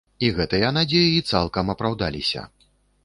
І гэтыя надзеі цалкам апраўдаліся.